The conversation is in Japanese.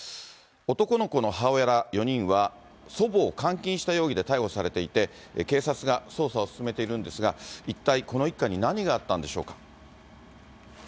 男の子の母親ら４人は、祖母を監禁した容疑で逮捕されていて、警察が捜査を進めているんですが、一体この一家に何があったんでしょうか。